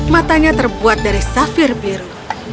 matanya terbuat dari safir biru